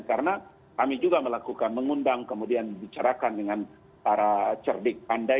karena kami juga melakukan mengundang kemudian bicarakan dengan para cerdik pandemi